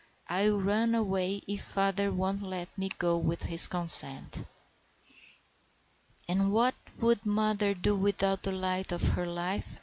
"I'll run away if father won't let me go with his consent." "And what would mother do without the light of her life?"